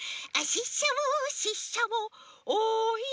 ししゃもししゃもおい